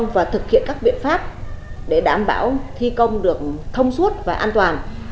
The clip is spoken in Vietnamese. và thực hiện các biện pháp để đảm bảo thi công được thông suốt và an toàn